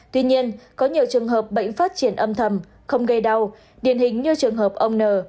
tuy nhiên có nhiều trường hợp bệnh phát triển âm thầm không gây đau điển hình như trường hợp ông n